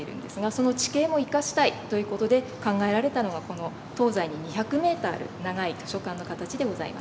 その地形も生かしたいという事で考えられたのがこの東西に２００ｍある長い図書館の形でございます。